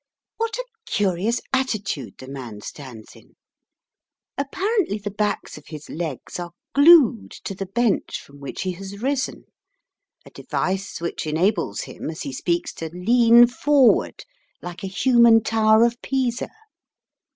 What a curious attitude the man stands in! Apparently the backs of his legs are glued to the bench from which he has risen, a device which enables him, as he speaks, to lean forward like a human Tower of Pisa.